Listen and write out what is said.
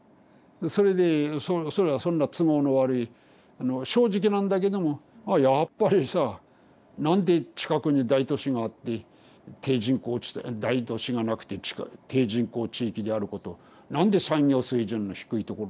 それでそれはそんな都合の悪い正直なんだけどもあやっぱりさなんで近くに大都市があって低人口地帯大都市がなくて低人口地域であることなんで産業水準の低いところなんだ。